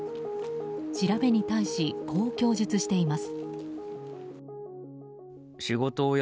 調べに対し、こう供述しています。